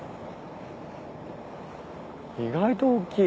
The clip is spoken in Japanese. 意外とおっきい。